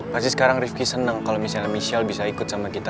pasti sekarang rivki seneng kalau misalnya michelle bisa ikut sama kita